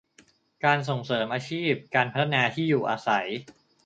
การส่งเสริมอาชีพ การพัฒนาที่อยู่อาศัย